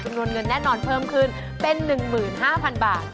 จุดนวนเงินแน่นอนเพิ่มคืนเป็น๑๕๐๐๐บาท